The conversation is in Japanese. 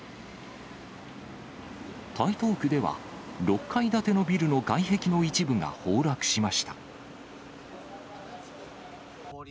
台東区では、６階建てのビルの外壁の一部が崩落しました。